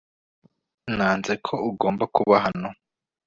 nanze ko ugomba kuba hano